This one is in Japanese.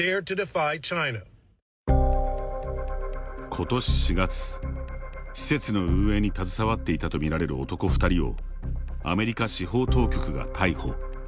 今年４月、施設の運営に携わっていたとみられる男２人をアメリカ司法当局が逮捕。